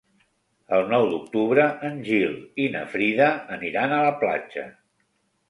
El nou d'octubre en Gil i na Frida aniran a la platja.